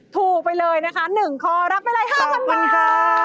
ถูกไปเลยนะคะหนึ่งข้อรับไปเลย๕คันมา